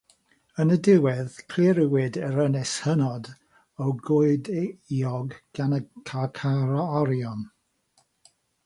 Yn y diwedd, cliriwyd yr ynys hynod o goediog gan y carcharorion.